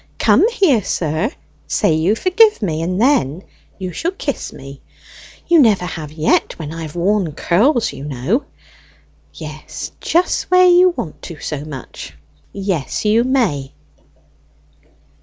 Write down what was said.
"Come here, sir; say you forgive me, and then you shall kiss me; you never have yet when I have worn curls, you know. Yes, just where you want to so much, yes, you may!"